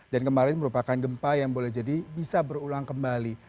dan kemarin merupakan gempa yang boleh jadi bisa berulang kembali